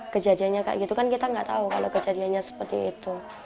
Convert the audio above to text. kejadiannya kayak gitu kan kita nggak tahu kalau kejadiannya seperti itu